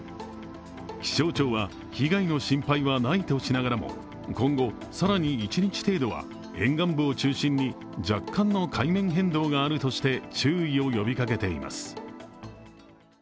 気象庁は被害の心配はないとしながらも、今後、更に一日程度は沿岸部を中心に若干の海面変動があるとして注意を呼びかけています。